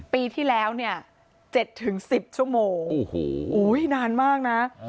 ปีที่แล้ว๗๑๐ชั่วโมงนานมากนะ